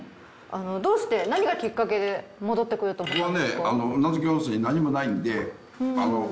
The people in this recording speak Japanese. どうして何がきっかけで戻ってこようと思ったんですか？